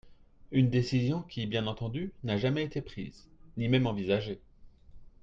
Une décision qui, bien entendu, n’a jamais été prise… ni même envisagée !